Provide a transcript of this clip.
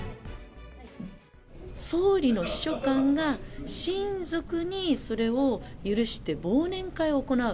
総理の秘書官が親族にそれを許して、忘年会を行う。